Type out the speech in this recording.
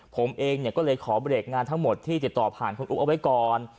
ผมเองก็เลยขอเบรกงานทั้งหมดที่ติดต่อผ่านคุณอุ๊บเอาไว้ก่อน